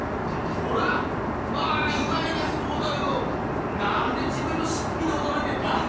まあ言われりゃそうだけどなんで自分のしっぽ見ておどろいてんだ？